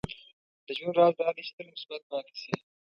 • د ژوند راز دا دی چې تل مثبت پاتې شې.